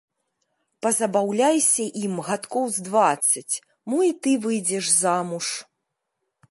Пазабаўляйся ім гадкоў з дваццаць, мо і ты выйдзеш замуж.